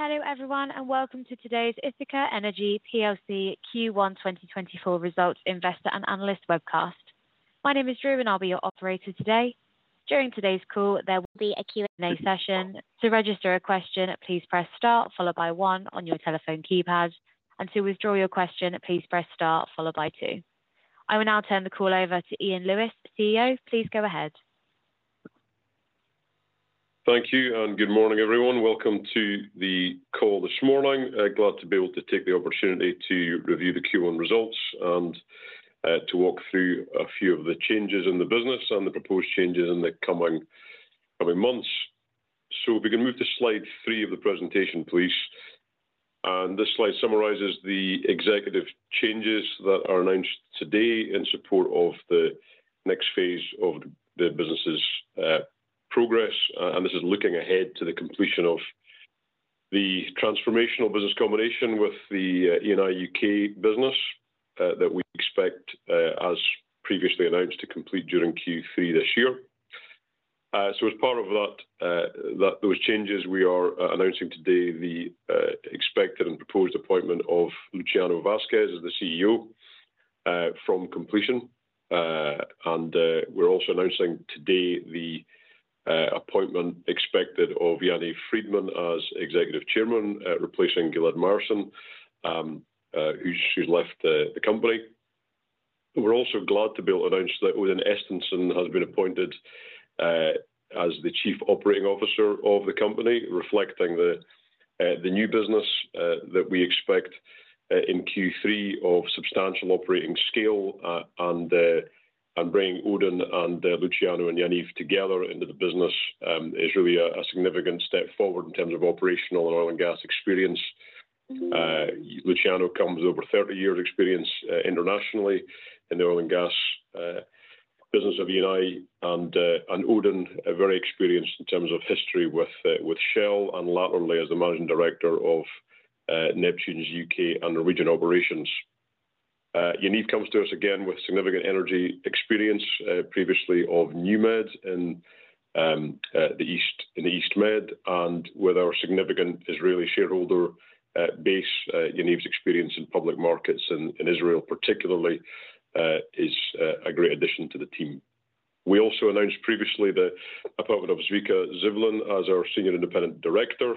Hello, everyone, and welcome to today's Ithaca Energy PLC Q1 2024 Results Investor and Analyst Webcast. My name is Drew, and I'll be your operator today. During today's call, there will be a Q&A session. To register a question, please press star followed by One on your telephone keypad. To withdraw your question, please press Star followed by Two. I will now turn the call over to Iain Lewis, CFO. Please go ahead. Thank you, and good morning, everyone. Welcome to the call this morning. Glad to be able to take the opportunity to review the Q1 results and to walk through a few of the changes in the business and the proposed changes in the coming months. So if we can move to slide three of the presentation, please. This slide summarizes the executive changes that are announced today in support of the next phase of the business's progress. This is looking ahead to the completion of the transformational business combination with the Eni UK business that we expect, as previously announced, to complete during Q3 this year. So as part of that, those changes, we are announcing today the expected and proposed appointment of Luciano Vasques as CEO from completion. And, we're also announcing today the appointment expected of Yaniv Friedman as Executive Chairman, replacing Gilad Myerson, who she left the company. We're also glad to be able to announce that Odin Estensen has been appointed as the Chief Operating Officer of the company, reflecting the new business that we expect in Q3 of substantial operating scale, and bringing Odin and Luciano and Yaniv together into the business is really a significant step forward in terms of operational and oil and gas experience. Luciano comes with over 30 years experience internationally in the oil and gas business of Eni and Odin, a very experienced in terms of history with Shell and latterly as the Managing Director of Neptune's UK and Norwegian operations. Yaniv comes to us again with significant energy experience, previously of NewMed in the EastMed. And with our significant Israeli shareholder base, Yaniv's experience in public markets in Israel particularly is a great addition to the team. We also announced previously the appointment of Zvika Zivlin as our Senior Independent Director.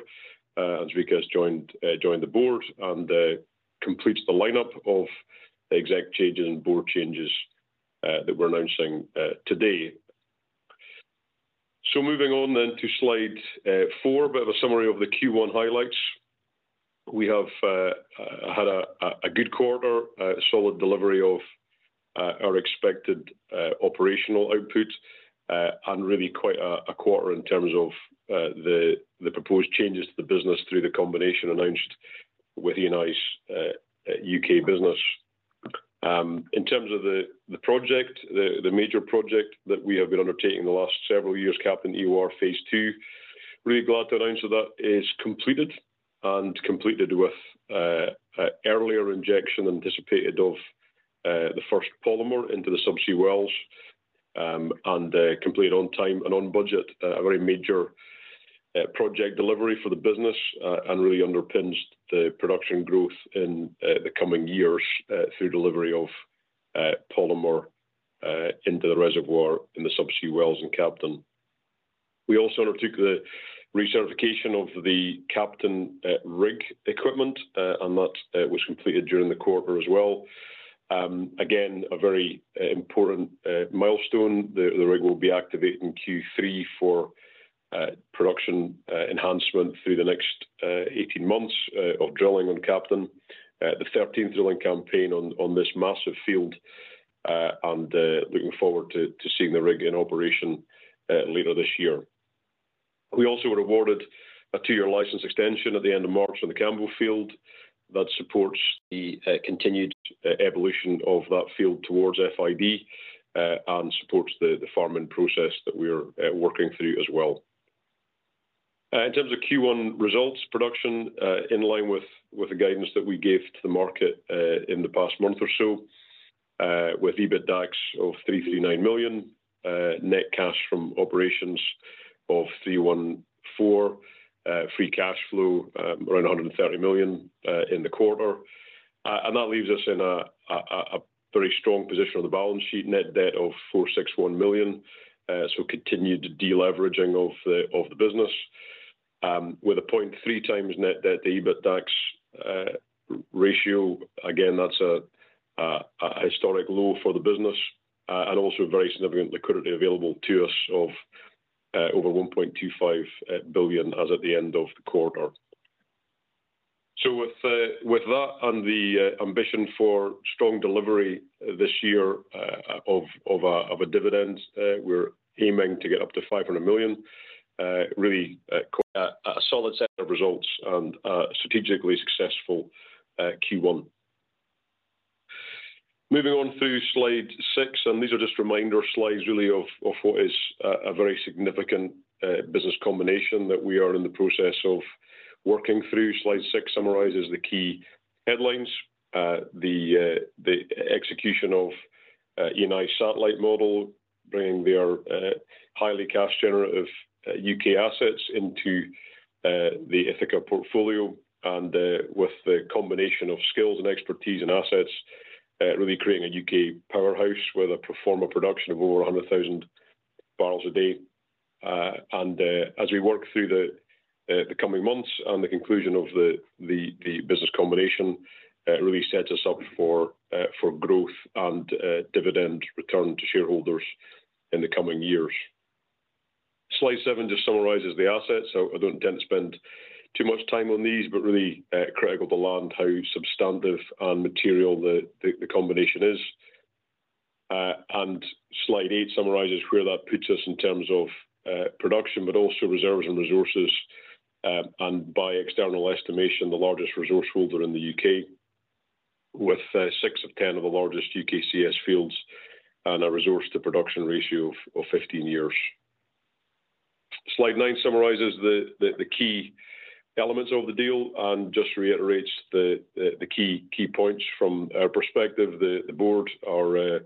And Zvika has joined the board and completes the lineup of the exec changes and board changes that we're announcing today. So moving on then to slide four, a bit of a summary of the Q1 highlights. We have had a good quarter, a solid delivery of our expected operational output, and really quite a quarter in terms of the proposed changes to the business through the combination announced with Eni's UK business. In terms of the project, the major project that we have been undertaking in the last several years, Captain EOR Phase II, really glad to announce that is completed, and completed with an earlier injection anticipated of the first polymer into the subsea wells, and completed on time and on budget. A very major project delivery for the business, and really underpins the production growth in the coming years, through delivery of polymer into the reservoir in the subsea wells in Captain. We also undertook the recertification of the Captain rig equipment, and that was completed during the quarter as well. Again, a very important milestone. The rig will be activated in Q3 for production enhancement through the next 18 months of drilling on Captain. The 13th drilling campaign on this massive field, and looking forward to seeing the rig in operation later this year. We also were awarded a two year license extension at the end of March on the Cambo Field. That supports the continued evolution of that field towards FID, and supports the farming process that we're working through as well. In terms of Q1 results, production in line with the guidance that we gave to the market in the past month or so, with EBITDAX of $339 million, net cash from operations of $314 million, free cash flow around $130 million in the quarter. And that leaves us in a very strong position on the balance sheet, net debt of $461 million. So continued deleveraging of the business with a 0.3x net debt to EBITDAX ratio. Again, that's a historic low for the business, and also very significant liquidity available to us of over $1.25 billion as at the end of the quarter. With that and the ambition for strong delivery this year, of a dividend, we're aiming to get up to $500 million, really, a solid set of results and, strategically successful, Q1. Moving on through slide 6, and these are just reminder slides really of what is a very significant business combination that we are in the process of working through. Slide 6 summarizes the key headlines, the execution of the Eni satellite model, bringing their highly cash generative UK assets into the Ithaca portfolio. And, with the combination of skills and expertise and assets, really creating a UK powerhouse with a pro forma production of over 100,000 barrels a day. As we work through the coming months and the conclusion of the business combination, it really sets us up for growth and dividend return to shareholders in the coming years. Slide seven just summarizes the assets, so I don't intend to spend too much time on these, but really, critical to learn how substantive and material the combination is. Slide eight summarizes where that puts us in terms of production, but also reserves and resources, and by external estimation, the largest resource holder in the UK, with six of ten of the largest UKCS fields and a resource to production ratio of fifteen years. Slide nine summarizes the key elements of the deal and just reiterates the key points from our perspective. The board are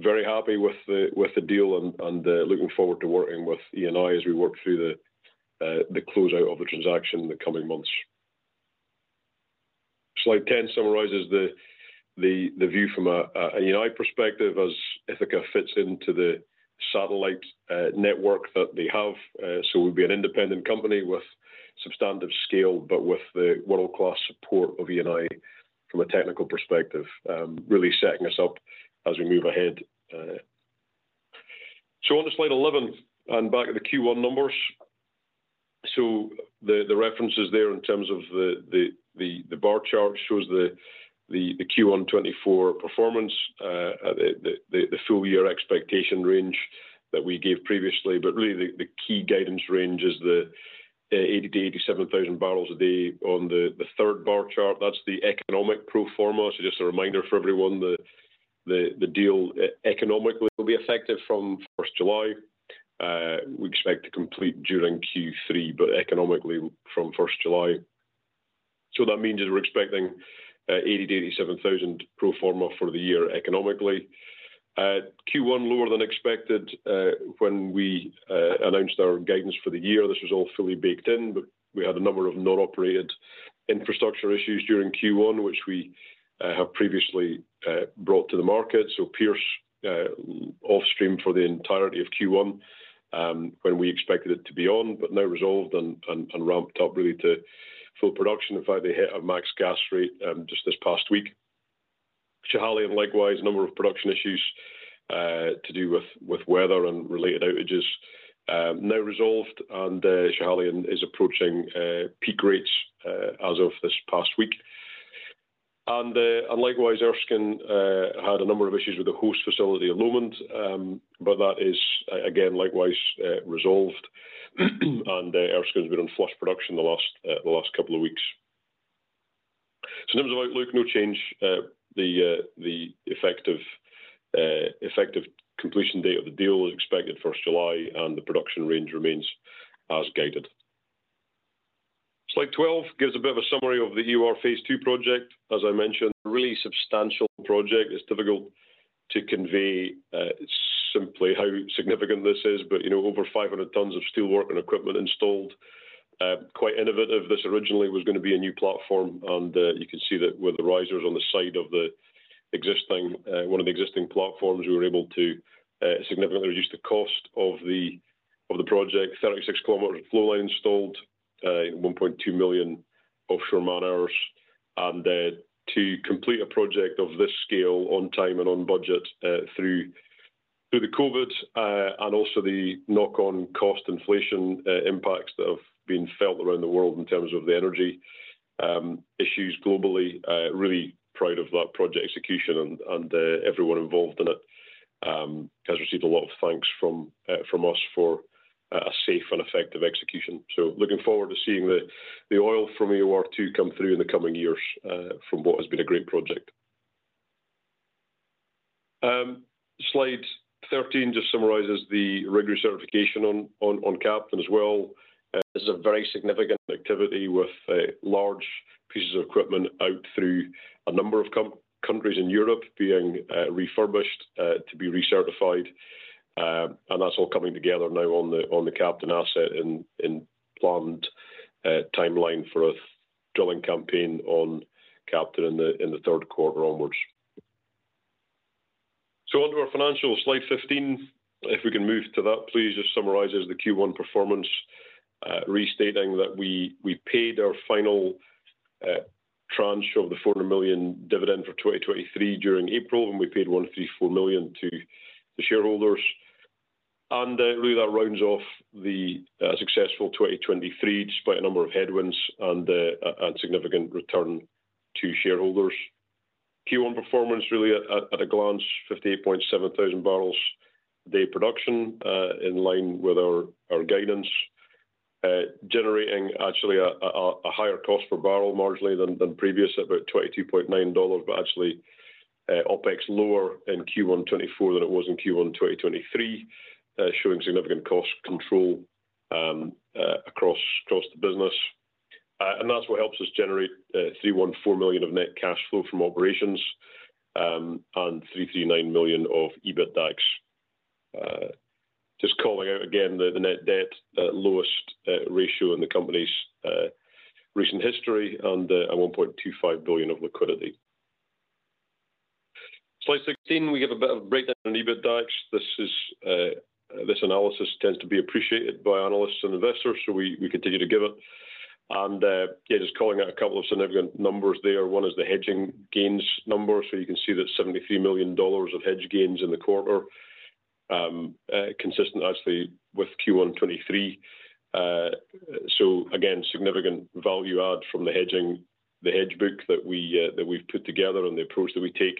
very happy with the deal and looking forward to working with Eni as we work through the closeout of the transaction in the coming months. Slide 10 summarizes the view from an Eni perspective as Ithaca fits into the satellite network that they have. So we'll be an independent company with substantive scale, but with the world-class support of Eni from a technical perspective, really setting us up as we move ahead. So on to slide 11, and back at the Q1 numbers. So the references there in terms of the bar chart shows the Q1 2024 performance, the full year expectation range that we gave previously. But really, the key guidance range is the 80,000-87,000 barrels a day on the third bar chart. That's the economic pro forma. So just a reminder for everyone that the deal economically will be effective from first July. We expect to complete during Q3, but economically from first July. So that means that we're expecting 80,000-87,000 pro forma for the year economically. Q1, lower than expected, when we announced our guidance for the year, this was all fully baked in, but we had a number of non-operated infrastructure issues during Q1, which we have previously brought to the market. So Pierce off stream for the entirety of Q1, when we expected it to be on, but now resolved and ramped up really to full production. In fact, they hit a max gas rate just this past week. Schiehallion, likewise, a number of production issues to do with weather and related outages. Now resolved, and Schiehallion is approaching peak rates as of this past week. And likewise, Erskine had a number of issues with the host facility at Lomond, but that is again, likewise, resolved. And Erskine has been on flush production the last couple of weeks. So in terms of outlook, no change. The effective completion date of the deal is expected first July, and the production range remains as guided. Slide 12 gives a bit of a summary of the EOR Phase II project. As I mentioned, a really substantial project. It's difficult to convey, simply how significant this is, but, you know, over 500 tons of steelwork and equipment installed. Quite innovative. This originally was going to be a new platform, and, you can see that with the risers on the side of the existing, one of the existing platforms, we were able to, significantly reduce the cost of the project. 36 kilometers of flowline installed, 1.2 million offshore man-hours. To complete a project of this scale on time and on budget, through the COVID, and also the knock on cost inflation impacts that have been felt around the world in terms of the energy issues globally, really proud of that project execution, and everyone involved in it has received a lot of thanks from us for a safe and effective execution. So looking forward to seeing the oil from EOR 2 come through in the coming years, from what has been a great project. Slide 13 just summarizes the rig recertification on Captain as well. This is a very significant activity with large pieces of equipment out through a number of countries in Europe being refurbished to be recertified. and that's all coming together now on the, on the Captain asset in, in planned timeline for a drilling campaign on Captain in the, in the third quarter onwards. So onto our financials, slide 15, if we can move to that, please, just summarizes the Q1 performance, restating that we, we paid our final tranche of the $400 million dividend for 2023 during April, and we paid $134 million to the shareholders. And, really, that rounds off the successful 2023, despite a number of headwinds and, and significant return to shareholders. Q1 performance, really at a glance, 58.7,000 barrels a day production, in line with our guidance, generating actually a higher cost per barrel marginally than previous, about $22.9, but actually, OpEx lower in Q1 2024 than it was in Q1 2023, showing significant cost control, across the business. And that's what helps us generate, $314 million of net cash flow from operations, and $339 million of EBITDAX. Just calling out again the net debt, the lowest ratio in the company's recent history and, $1.25 billion of liquidity. Slide 16, we give a bit of a breakdown in EBITDAX. This analysis tends to be appreciated by analysts and investors, so we, we continue to give it. Yeah, just calling out a couple of significant numbers there. One is the hedging gains number. So you can see that $73 million of hedge gains in the quarter, consistent actually with Q1 2023. So again, significant value add from the hedging, the hedge book that we, that we've put together and the approach that we take.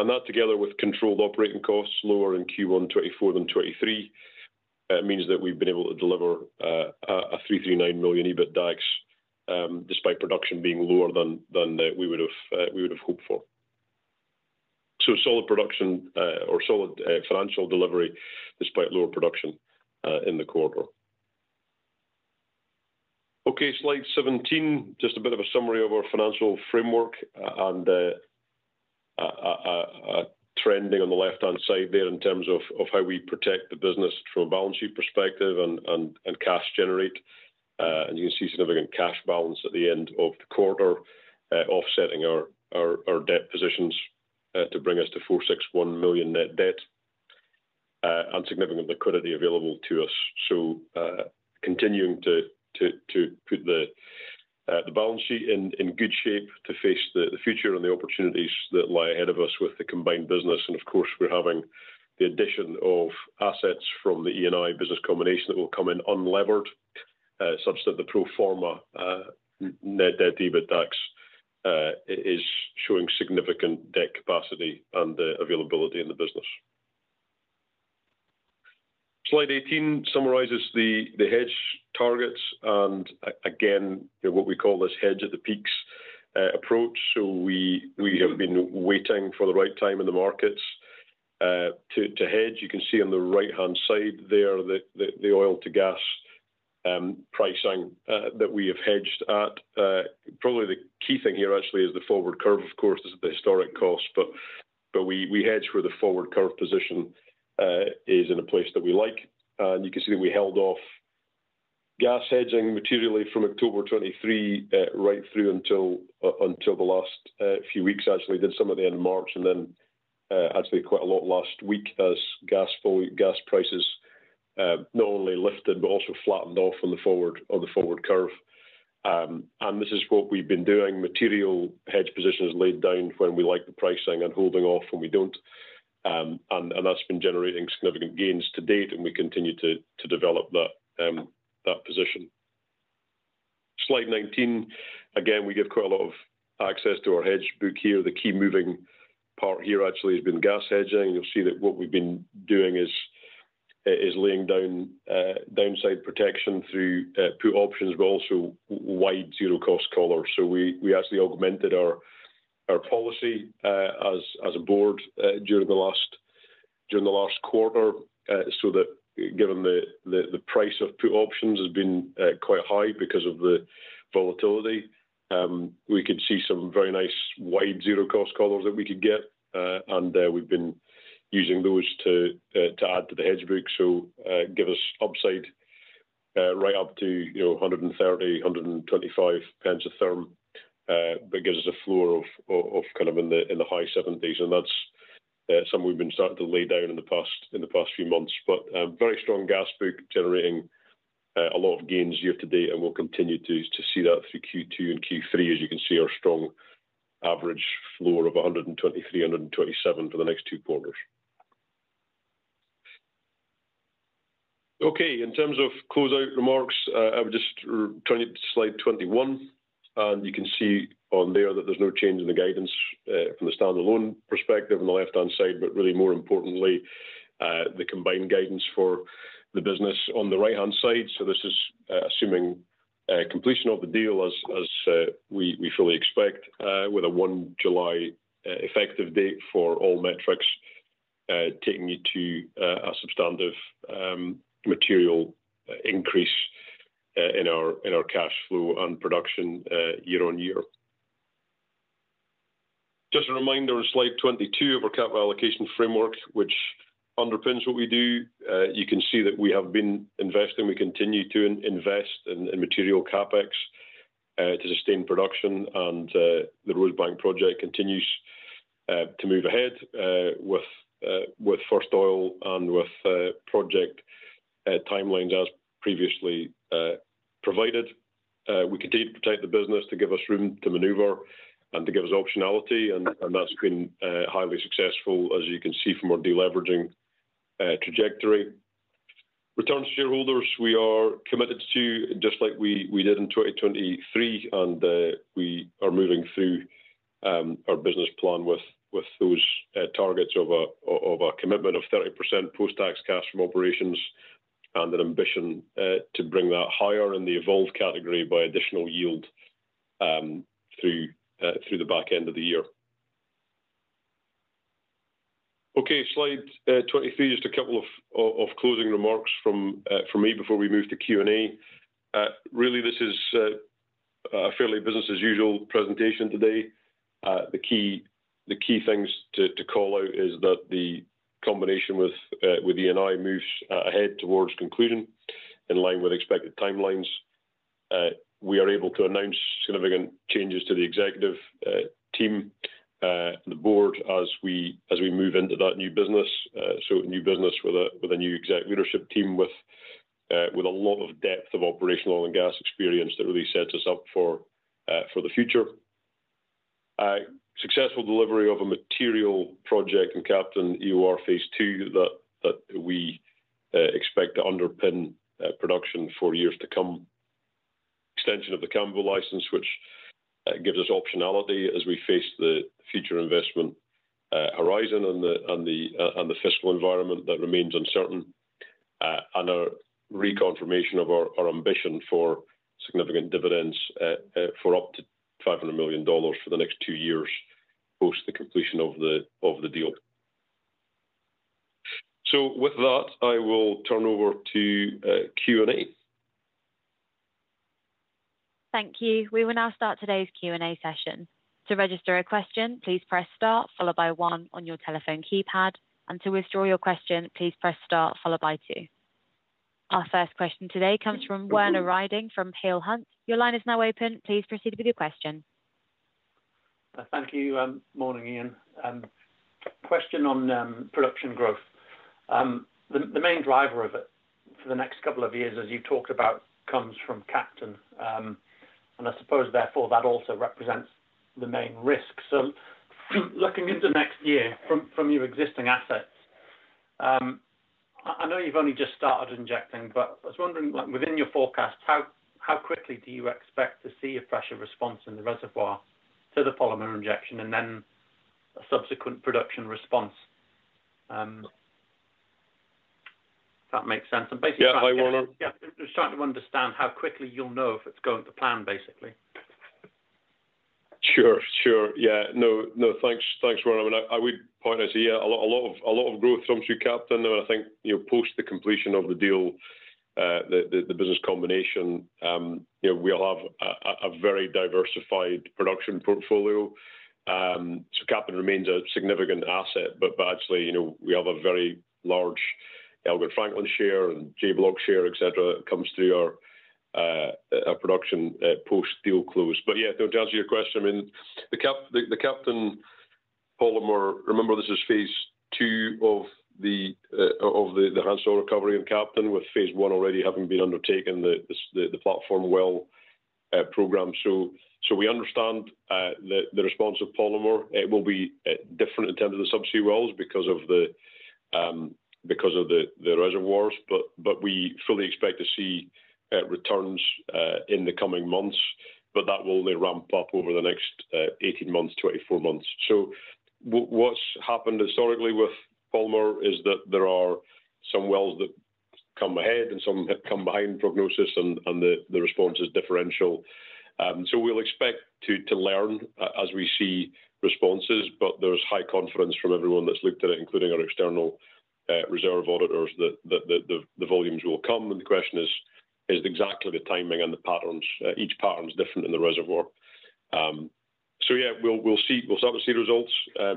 And that, together with controlled operating costs, lower in Q1 2024 than 2023, means that we've been able to deliver, a 339 million EBITDAX, despite production being lower than, than, we would have, we would have hoped for. So solid production, or solid, financial delivery despite lower production, in the quarter. Okay, slide 17, just a bit of a summary of our financial framework and, a trending on the left-hand side there in terms of, of how we protect the business from a balance sheet perspective and, and, and cash generate. And you can see significant cash balance at the end of the quarter, offsetting our, our, our debt positions, to bring us to $461 million net debt, and significant liquidity available to us. So, continuing to, to, to put the, the balance sheet in, in good shape to face the, the future and the opportunities that lie ahead of us with the combined business. And of course, we're having the addition of assets from the Eni business combination that will come in unlevered, such that the pro forma net debt EBITDAX is showing significant debt capacity and availability in the business. Slide 18 summarizes the hedge targets, and again, what we call this hedge at the peaks approach. So we have been waiting for the right time in the markets to hedge. You can see on the right-hand side there that the oil to gas pricing that we have hedged at. Probably the key thing here actually is the forward curve, of course, is the historic cost, but we hedge where the forward curve position is in a place that we like. You can see that we held off gas hedging materially from October 2023, right through until the last few weeks. Actually, did some at the end of March and then actually quite a lot last week as gas prices not only lifted, but also flattened off on the forward curve. And this is what we've been doing, material hedge positions laid down when we like the pricing and holding off when we don't. And that's been generating significant gains to date, and we continue to develop that position. Slide 19. Again, we give quite a lot of access to our hedge book here. The key moving part here actually has been gas hedging. You'll see that what we've been doing is laying down downside protection through put options, but also wide zero cost collars. So we actually augmented our policy as a board during the last quarter, so that given the price of put options has been quite high because of the volatility, we could see some very nice wide zero cost collars that we could get, and we've been using those to add to the hedge book, so give us upside right up to, you know, 130, 125 pence a therm. But gives us a floor of kind of in the high 70s, and that's something we've been starting to lay down in the past few months. But very strong gas book, generating a lot of gains year to date, and we'll continue to see that through Q2 and Q3. As you can see, our strong average floor of 123-127 for the next two quarters. Okay, in terms of close out remarks, I would just turn it to slide 21, and you can see on there that there's no change in the guidance from the standalone perspective on the left-hand side, but really more importantly, the combined guidance for the business on the right-hand side. So this is assuming completion of the deal as we fully expect with a 1 July effective date for all metrics taking it to a substantive material increase in our cash flow and production year on year. Just a reminder on slide 22 of our capital allocation framework, which underpins what we do. You can see that we have been investing, we continue to invest in material CapEx to sustain production. The Rosebank project continues to move ahead with first oil and with project timelines as previously provided. We continue to protect the business to give us room to maneuver and to give us optionality, and that's been highly successful, as you can see from our deleveraging trajectory. Return to shareholders, we are committed to, just like we, we did in 2023, and, we are moving through, our business plan with, with those, targets of a, of a commitment of 30% post-tax cash from operations and an ambition, to bring that higher in the evolved category by additional yield, through, through the back end of the year.... Okay, slide 23. Just a couple of, of, of closing remarks from, from me before we move to Q&A. Really, this is, a fairly business as usual presentation today. The key, the key things to, to call out is that the combination with, with Eni moves, ahead towards concluding in line with expected timelines. We are able to announce significant changes to the executive team and the board as we move into that new business. So new business with a new exec leadership team with a lot of depth of operational oil and gas experience that really sets us up for the future. Successful delivery of a material project in Captain EOR Phase II that we expect to underpin production for years to come. Extension of the Cambo license, which gives us optionality as we face the future investment horizon and the fiscal environment that remains uncertain. And a reconfirmation of our ambition for significant dividends for up to $500 million for the next two years post the completion of the deal. With that, I will turn over to Q&A. Thank you. We will now start today's Q&A session. To register a question, please press star followed by one on your telephone keypad, and to withdraw your question, please press star followed by two. Our first question today comes from Werner Riding from Peel Hunt. Your line is now open. Please proceed with your question. Thank you. Morning, Iain. Question on production growth. The main driver of it for the next couple of years, as you talked about, comes from Captain. And I suppose therefore, that also represents the main risk. So looking into next year from your existing assets, I know you've only just started injecting, but I was wondering, like, within your forecast, how quickly do you expect to see a pressure response in the reservoir to the polymer injection and then a subsequent production response? If that makes sense. And basically- Yeah. Hi, Werner. Yeah, just trying to understand how quickly you'll know if it's going to plan, basically? Sure, sure. Yeah. No, no, thanks, thanks, Werner. I mean, I would point out here a lot of growth comes through Captain, and I think, you know, post the completion of the deal, the business combination, you know, we all have a very diversified production portfolio. So Captain remains a significant asset, but actually, you know, we have a very large Alba Franklin share and J-Block share, et cetera, that comes through our production post-deal close. But yeah, to answer your question, I mean, the Captain polymer, remember, this is Phase II of the enhanced recovery of Captain, with Phase I already having been undertaken, the platform well program. So we understand the response of polymer. It will be different in terms of the subsea wells because of the reservoirs, but we fully expect to see returns in the coming months, but that will only ramp up over the next 18 months, 24 months. So what's happened historically with polymer is that there are some wells that come ahead and some that come behind prognosis and the response is differential. So we'll expect to learn as we see responses, but there's high confidence from everyone that's looked at it, including our external reserve auditors, that the volumes will come, and the question is exactly the timing and the patterns. Each pattern is different in the reservoir. So yeah, we'll see. We'll start to see results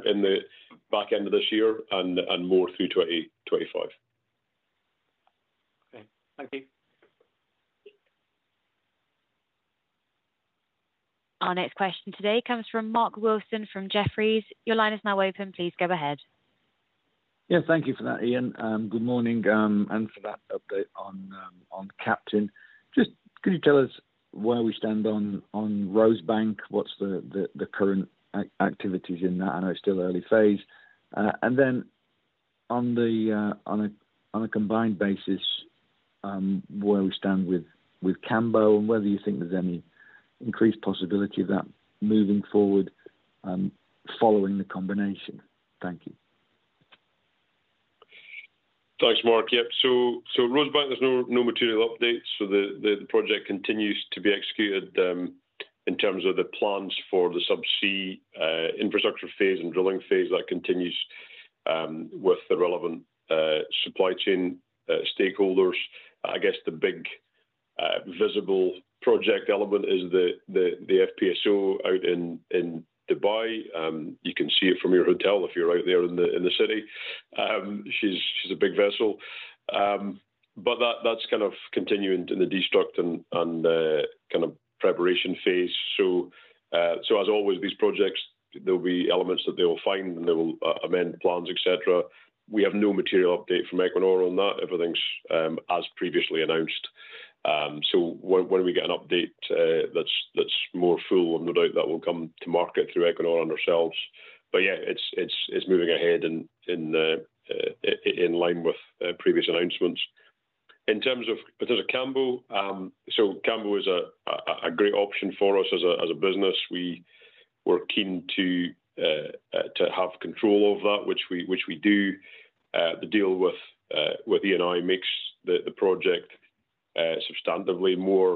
in the back end of this year and more through 2025. Okay. Thank you. Our next question today comes from Mark Wilson, from Jefferies. Your line is now open. Please go ahead. Yeah, thank you for that, Iain. Good morning, and for that update on Captain. Just could you tell us where we stand on Rosebank? What's the current activities in that? I know it's still early phase. And then on a combined basis, where we stand with Cambo, and whether you think there's any increased possibility of that moving forward, following the combination. Thank you. Thanks, Mark. Yep. So, Rosebank, there's no material updates. So the project continues to be executed in terms of the plans for the subsea infrastructure phase and drilling phase. That continues with the relevant supply chain stakeholders. I guess the big visible project element is the FPSO out in Dubai. You can see it from your hotel if you're out there in the city. She's a big vessel. But that's kind of continuing in the construction and kind of preparation phase. So, as always, these projects, there'll be elements that they will find, and they will amend plans, et cetera. We have no material update from Equinor on that. Everything's as previously announced. So when we get an update, that's more full, no doubt that will come to market through Equinor and ourselves. But yeah, it's moving ahead in line with previous announcements. In terms of Cambo, so Cambo is a great option for us as a business. We were keen to have control over that, which we do. The deal with Eni makes the project substantively more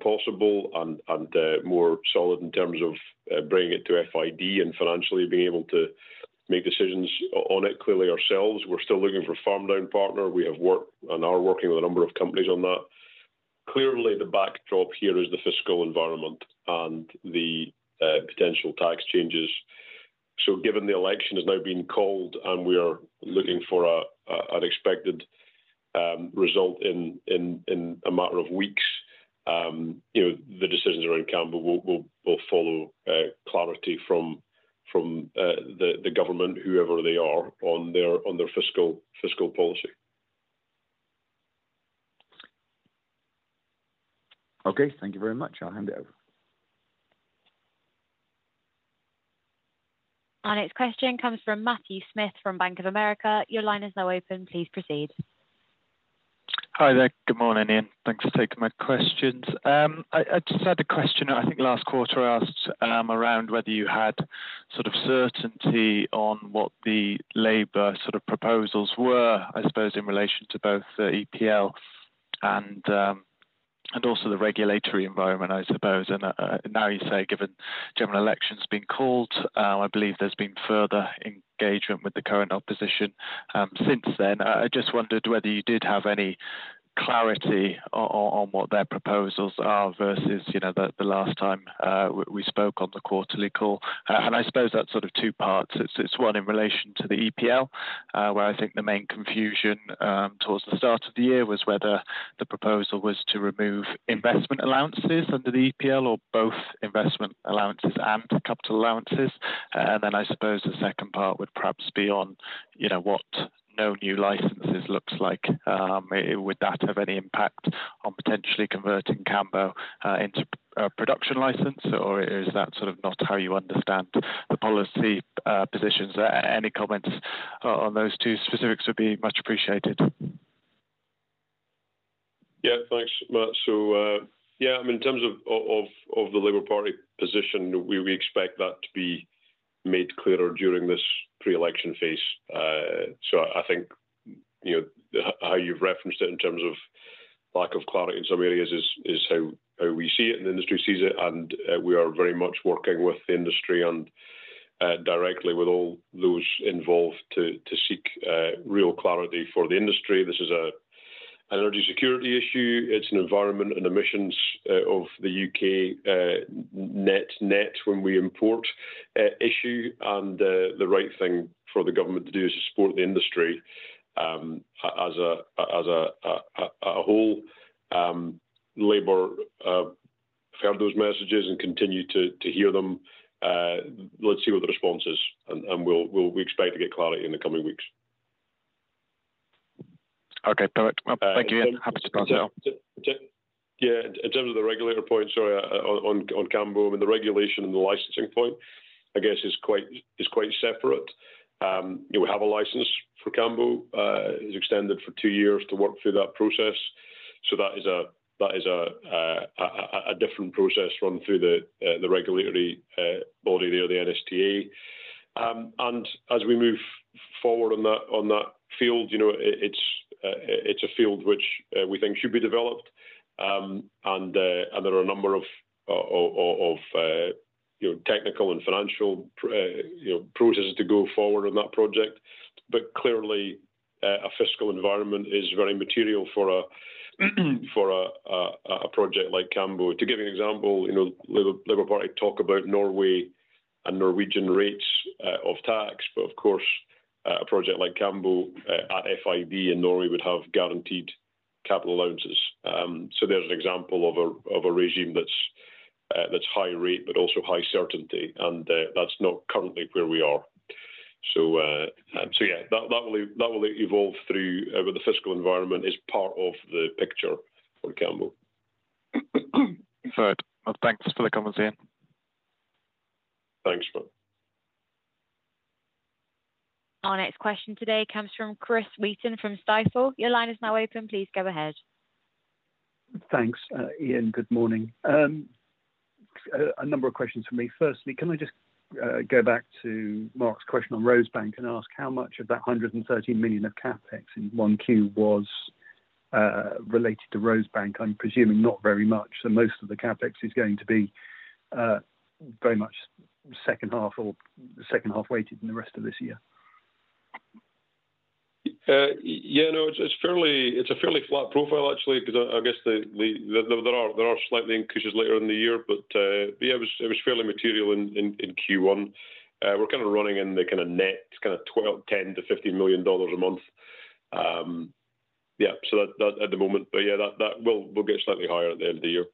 possible and more solid in terms of bringing it to FID and financially being able to make decisions on it. Clearly, ourselves, we're still looking for a farm down partner. We have worked and are working with a number of companies on that. Clearly, the backdrop here is the fiscal environment and the potential tax changes. So given the election has now been called, and we are looking for an expected result in a matter of weeks, you know, the decisions around Cambo will follow clarity from the government, whoever they are, on their fiscal policy. Okay, thank you very much. I'll hand it over. Our next question comes from Matthew Smith from Bank of America. Your line is now open. Please proceed. Hi there. Good morning, Iain. Thanks for taking my questions. I just had a question I think last quarter I asked, around whether you had sort of certainty on what the Labour sort of proposals were, I suppose, in relation to both the EPL and, and also the regulatory environment, I suppose. Now you say, given general election's been called, I believe there's been further engagement with the current opposition, since then. I just wondered whether you did have any clarity on what their proposals are versus, you know, the, the last time, we spoke on the quarterly call. I suppose that's sort of two parts. It's one in relation to the EPL, where I think the main confusion towards the start of the year was whether the proposal was to remove investment allowances under the EPL or both investment allowances and capital allowances. Then I suppose the second part would perhaps be on, you know, what no new licenses looks like. Would that have any impact on potentially converting Cambo into a production license, or is that sort of not how you understand the policy positions? Any comments on those two specifics would be much appreciated. Yeah, thanks, Matt. So, yeah, I mean, in terms of the Labour Party position, we expect that to be made clearer during this pre-election phase. So I think, you know, how you've referenced it in terms of lack of clarity in some areas is how we see it, and the industry sees it, and we are very much working with the industry and directly with all those involved to seek real clarity for the industry. This is an energy security issue. It's an environment and emissions of the UK, net when we import issue, and the right thing for the government to do is to support the industry as a whole. Labour heard those messages and continue to hear them. Let's see what the response is, and we expect to get clarity in the coming weeks. Okay, perfect. Well, thank you. Happy to pass now. Yeah, in terms of the regulator point, sorry, on Cambo, and the regulation and the licensing point, I guess, is quite separate. We have a license for Cambo, it's extended for two years to work through that process. So that is a different process run through the regulatory body there, the NSTA. And as we move forward on that field, you know, it's a field which we think should be developed. And there are a number of, of, you know, technical and financial, you know, processes to go forward on that project. But clearly, a fiscal environment is very material for a project like Cambo. To give you an example, you know, Labour Party talk about Norway and Norwegian rates of tax, but of course, a project like Cambo at FID in Norway would have guaranteed capital allowances. So there's an example of a regime that's high rate, but also high certainty, and that's not currently where we are. So yeah, that will evolve through with the fiscal environment as part of the picture for Cambo. Thanks for the comments, Iain. Thanks, Matt. Our next question today comes from Chris Wheaton from Stifel. Your line is now open. Please go ahead. Thanks, Iain. Good morning. A number of questions from me. Firstly, can I just go back to Mark's question on Rosebank and ask how much of that $130 million of CapEx in Q1 was related to Rosebank? I'm presuming not very much, so most of the CapEx is going to be very much second half or second half weighted in the rest of this year. Yeah, no, it's fairly, it's a fairly flat profile, actually, because I guess the there are slightly increases later in the year, but yeah, it was fairly material in Q1. We're kind of running in the kind of net, kind of $10 million-$50 million a month. Yeah, so that at the moment, but yeah, that will get slightly higher at the end of the year.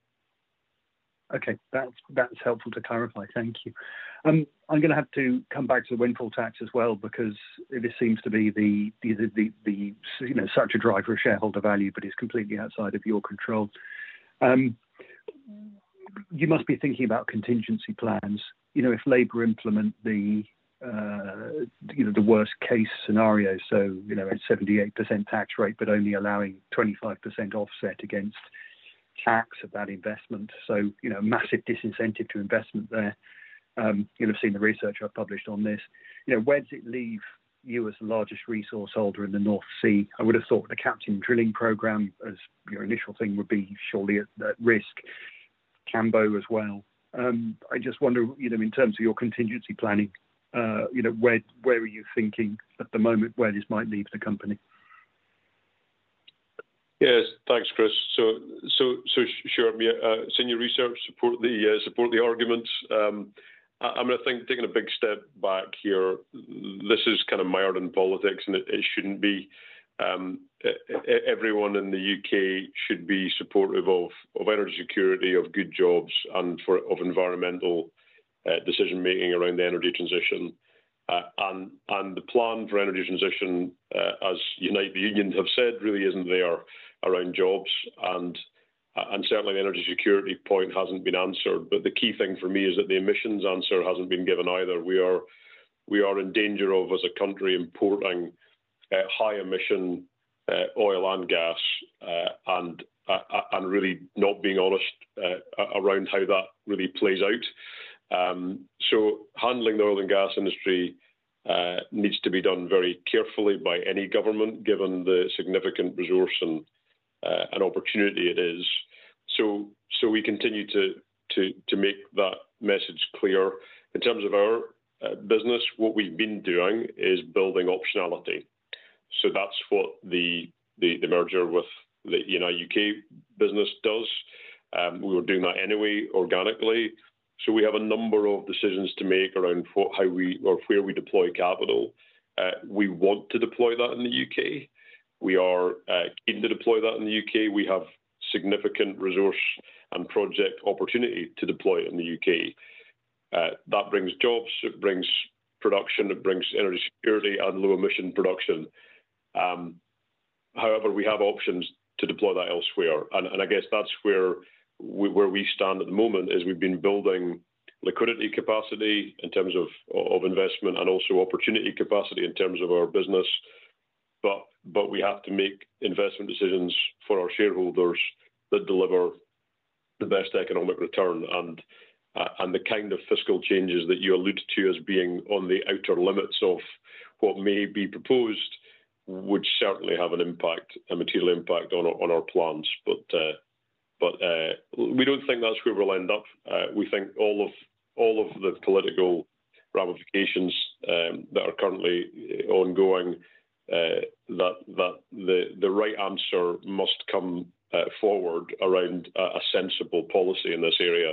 Okay, that's helpful to clarify. Thank you. I'm gonna have to come back to the windfall tax as well, because it seems to be the you know, such a driver of shareholder value, but is completely outside of your control. You must be thinking about contingency plans. You know, if Labour implement the you know, the worst case scenario, so you know, a 78% tax rate, but only allowing 25% offset against tax of that investment, so you know, massive disincentive to investment there. You'll have seen the research I've published on this. You know, where does it leave you as the largest resource holder in the North Sea? I would have thought the Captain drilling program, as your initial thing, would be surely at risk, Cambo as well. I just wonder, you know, in terms of your contingency planning, you know, where are you thinking at the moment where this might leave the company? Yes. Thanks, Chris. So, to summarize, my senior research supports the arguments. I'm gonna take a big step back here, this is kind of mired in politics, and it shouldn't be. Everyone in the UK should be supportive of energy security, of good jobs, and of environmental decision-making around the energy transition. And the plan for energy transition, as Unite the Union have said, really isn't there around jobs, and certainly the energy security point hasn't been answered. But the key thing for me is that the emissions answer hasn't been given either. We are in danger of, as a country, importing high-emission oil and gas, and really not being honest around how that really plays out. So handling the oil and gas industry needs to be done very carefully by any government, given the significant resource and opportunity it is. We continue to make that message clear. In terms of our business, what we've been doing is building optionality. So that's what the merger with the, you know, UK business does. We were doing that anyway, organically, so we have a number of decisions to make around for how we or where we deploy capital. We want to deploy that in the UK. We are keen to deploy that in the UK. We have significant resource and project opportunity to deploy it in the UK. That brings jobs, it brings production, it brings energy security and low emission production. However, we have options to deploy that elsewhere, and I guess that's where we stand at the moment, is we've been building liquidity capacity in terms of investment and also opportunity capacity in terms of our business, but we have to make investment decisions for our shareholders that deliver the best economic return. And the kind of fiscal changes that you allude to as being on the outer limits of what may be proposed would certainly have an impact, a material impact on our plans. But we don't think that's where we'll end up. We think all of the political ramifications that are currently ongoing, that the right answer must come forward around a sensible policy in this area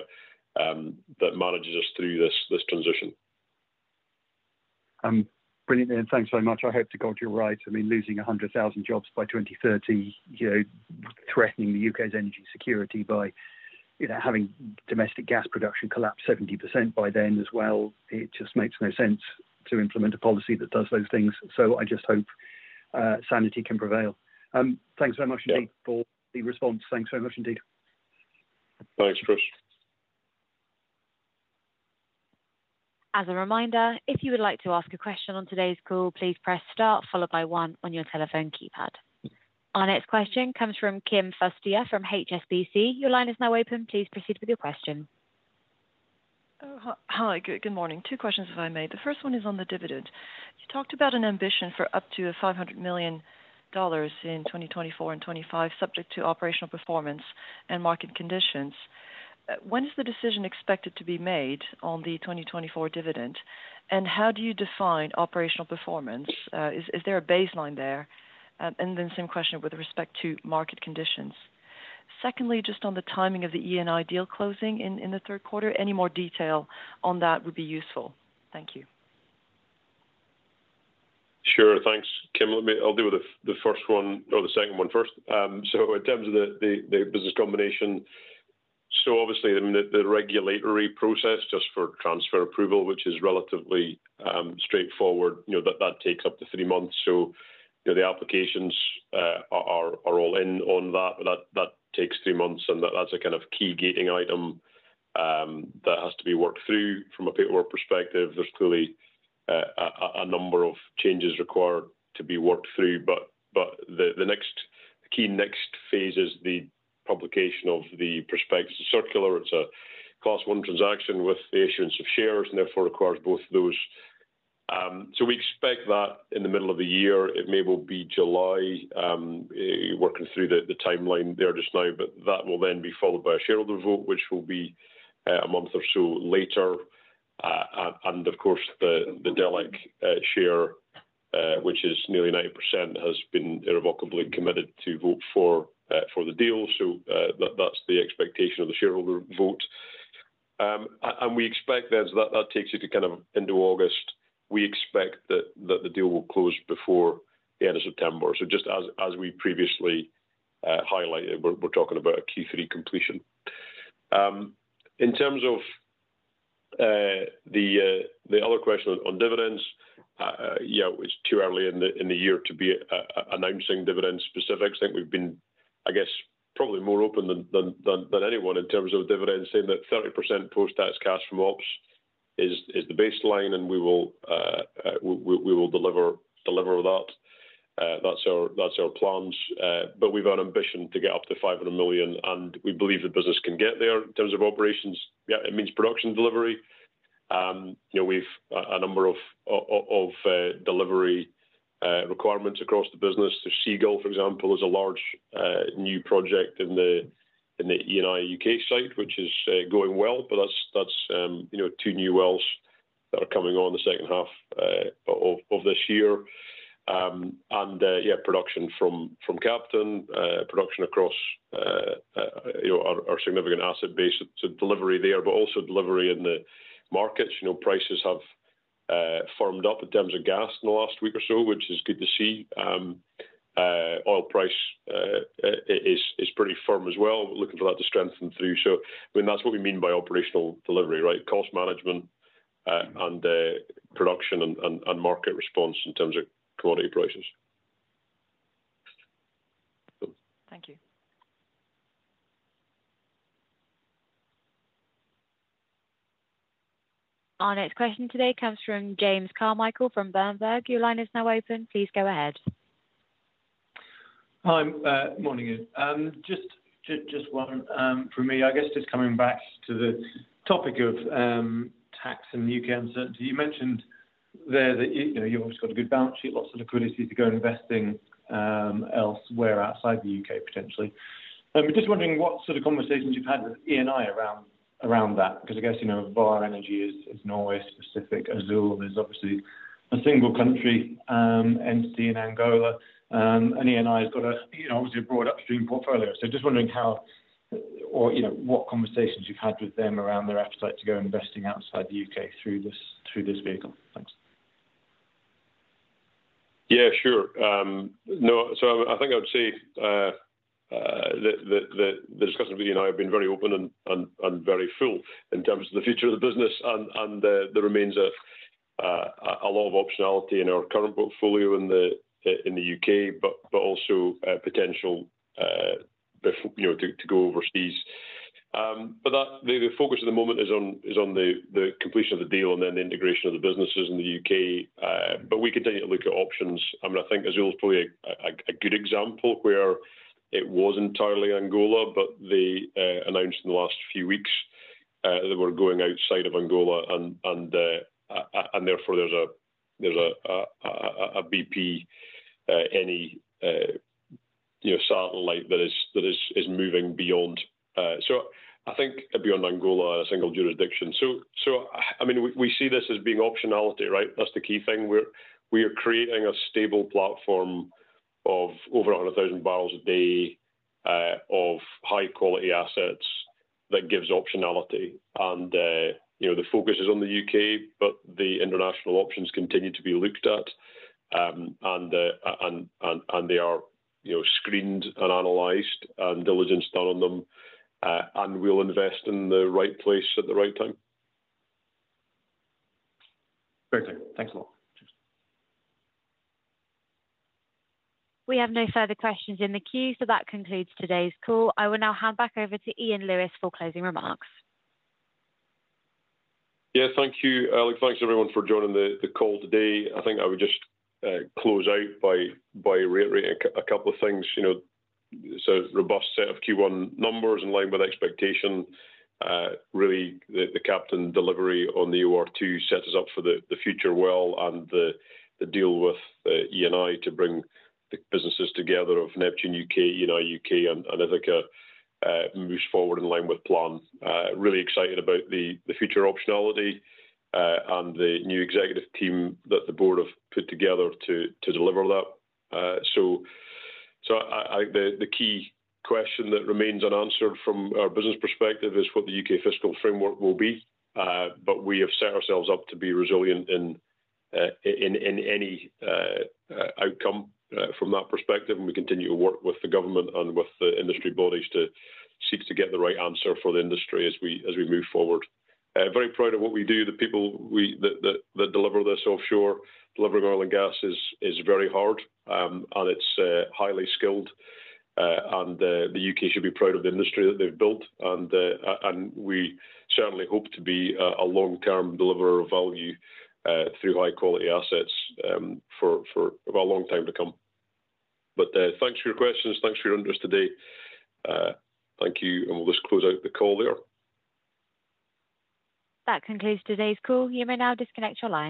that manages us through this transition. Brilliant, then. Thanks so much. I hope to God you're right. I mean, losing 100,000 jobs by 2030, you know, threatening the UK's energy security by, you know, having domestic gas production collapse 70% by then as well, it just makes no sense to implement a policy that does those things. So I just hope sanity can prevail. Thanks very much- Yeah... indeed, for the response. Thanks very much indeed. Thanks, Chris. As a reminder, if you would like to ask a question on today's call, please press star, followed by one on your telephone keypad. Our next question comes from Kim Fustier from HSBC. Your line is now open. Please proceed with your question. Oh, hi. Good morning. Two questions if I may. The first one is on the dividend. You talked about an ambition for up to $500 million in 2024 and 2025, subject to operational performance and market conditions. When is the decision expected to be made on the 2024 dividend, and how do you define operational performance? Is there a baseline there? And then same question with respect to market conditions. Secondly, just on the timing of the Eni deal closing in the third quarter, any more detail on that would be useful. Thank you. Sure. Thanks, Kim. Let me... I'll deal with the first one or the second one first. So in terms of the business combination, so obviously, I mean, the regulatory process just for transfer approval, which is relatively straightforward, you know, that takes up to three months. So, you know, the applications are all in on that, but that takes three months, and that's a kind of key gating item that has to be worked through. From a paperwork perspective, there's clearly a number of changes required to be worked through, but the next, the key next Phase is the publication of the prospectus circular. It's a Class 1 transaction with the issuance of shares and therefore requires both those. So we expect that in the middle of the year. It may well be July, working through the timeline there just now, but that will then be followed by a shareholder vote, which will be a month or so later. And, and of course, the Delek share, which is nearly 90%, has been irrevocably committed to vote for the deal, so that's the expectation of the shareholder vote. And we expect then, so that takes you to kind of into August. We expect that the deal will close before the end of September. So just as we previously highlighted, we're talking about a Q3 completion. In terms of the other question on dividends, yeah, it's too early in the year to be announcing dividend specifics. I think we've been, I guess, probably more open than anyone in terms of dividends, saying that 30% post-tax cash from ops is the baseline, and we will deliver that. That's our plans. But we've got an ambition to get up to $500 million, and we believe the business can get there in terms of operations. Yeah, it means production delivery. You know, we've a number of delivery requirements across the business. The Seagull, for example, is a large new project in the Eni UK site, which is going well, but that's you know, two new wells that are coming on in the second half of this year. And yeah, production from Captain, production across, you know, our significant asset base. It's a delivery there, but also delivery in the markets. You know, prices have firmed up in terms of gas in the last week or so, which is good to see. Oil price is pretty firm as well. We're looking for that to strengthen through. So I mean, that's what we mean by operational delivery, right? Cost management, and production and market response in terms of commodity prices. Thank you. Our next question today comes from James Carmichael, from Berenberg. Your line is now open. Please go ahead. Hi. Morning. Just one from me. I guess just coming back to the topic of tax and UK uncertainty. You mentioned there that, you know, you've obviously got a good balance sheet, lots of liquidity to go investing elsewhere outside the UK, potentially. I'm just wondering what sort of conversations you've had with Eni around that, because I guess, you know, Vår Energi is Norway-specific. Azule Energy is obviously a single country entity in Angola. And Eni has got a, you know, obviously a broad upstream portfolio. So just wondering how or, you know, what conversations you've had with them around their appetite to go investing outside the UK through this vehicle? Thanks. Yeah, sure. No, so I think I would say, the discussions with Eni have been very open and very full in terms of the future of the business, and there remains a lot of optionality in our current portfolio in the UK, but also potential, you know, to go overseas. But that, the focus at the moment is on the completion of the deal and then the integration of the businesses in the UK. But we continue to look at options, and I think Azule is probably a good example where it was entirely Angola, but they announced in the last few weeks, they were going outside of Angola, and therefore, there's a BP-Eni, you know, satellite that is moving beyond. So I think beyond Angola, a single jurisdiction. So I mean, we see this as being optionality, right? That's the key thing. We are creating a stable platform of over 100,000 barrels a day of high-quality assets that gives optionality. You know, the focus is on the UK, but the international options continue to be looked at, and they are, you know, screened and analyzed, and diligence done on them, and we'll invest in the right place at the right time. Great. Thanks a lot. Cheers. We have no further questions in the queue, so that concludes today's call. I will now hand back over to Iain Lewis for closing remarks. Yeah, thank you, Alex. Thanks, everyone, for joining the call today. I think I would just close out by reiterating a couple of things, you know. So robust set of Q1 numbers in line with expectation. Really, the Captain delivery on the EOR Phase II sets us up for the future well, and the deal with Eni to bring the businesses together of Neptune UK, Eni UK and Ithaca moves forward in line with plan. Really excited about the future optionality, and the new executive team that the board have put together to deliver that. So, the key question that remains unanswered from our business perspective is what the UK fiscal framework will be. But we have set ourselves up to be resilient in any outcome from that perspective, and we continue to work with the government and with the industry bodies to seek to get the right answer for the industry as we move forward. Very proud of what we do. The people that deliver this offshore, delivering oil and gas is very hard, and it's highly skilled, and the UK should be proud of the industry that they've built. And we certainly hope to be a long-term deliverer of value through high-quality assets for a long time to come. But thanks for your questions. Thanks for your interest today. Thank you, and we'll just close out the call there. That concludes today's call. You may now disconnect your line.